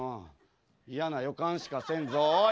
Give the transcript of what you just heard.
嫌な予感しかせんぞおい